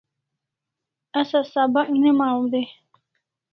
Asa sabak ne maw dai